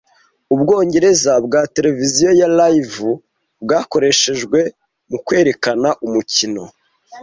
Ubwongereza bwa tereviziyo ya Live bwakoreshejwe mu kwerekana umukino